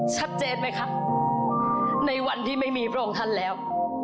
ชัดเจนไหมคะในวันที่ไม่มีพระองค์ท่านแล้ว